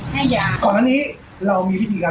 หากตอนนี้ไม่พบแล้ว